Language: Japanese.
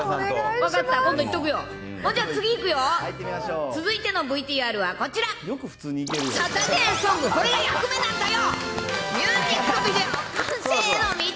分かった、今度言っとくよ、じゃあ、次いくよ、続いてのＶＴＲはこちら、サタデーソング、これが役目なんだよ！